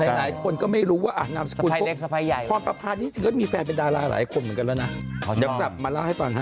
หลายคนก็ไม่รู้ว่านามสกุลปุ๊บพรประพานี่จริงก็มีแฟนเป็นดาราหลายคนเหมือนกันแล้วนะเดี๋ยวกลับมาเล่าให้ฟังฮะ